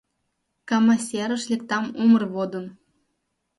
Кама серыш лектам умыр водын.